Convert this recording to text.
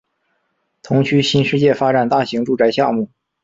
同区新世界发展大型住宅项目